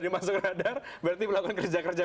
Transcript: dimasuk radar berarti melakukan kerja kerja